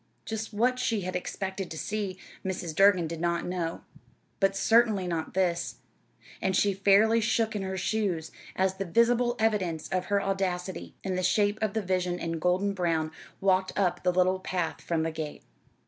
Just what she had expected to see, Mrs. Durgin did not know but certainly not this; and she fairly shook in her shoes as the visible evidence of her audacity, in the shape of the vision in golden brown, walked up the little path from the gate.